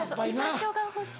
居場所が欲しい。